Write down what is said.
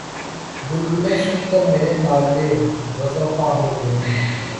بلبلیں سن کر میرے نالے‘ غزلخواں ہو گئیں